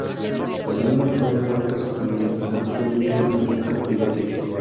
La niña fue devuelta a su familia, no así el niño nacido en cautiverio.